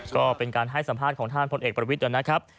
ก็เป็นการให้สัมภาษณ์ของท่านพลเอกประวิทย์นะครับ